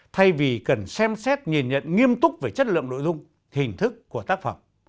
thay vì cần xem xét nhìn nhận nghiêm túc về chất lượng nội dung hình thức của tác phẩm